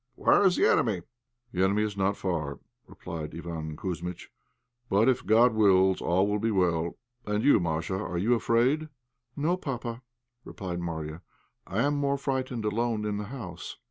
Where is the enemy?" "The enemy is not far," replied Iván Kouzmitch; "but if God wills all will be well. And you, Masha, are you afraid?" "No, papa," replied Marya, "I am more frightened alone in the house."